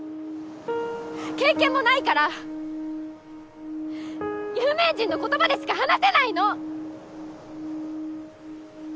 経験もないから有名人の言葉でしか話せないの！